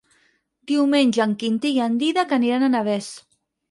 Diumenge en Quintí i en Dídac aniran a Navès.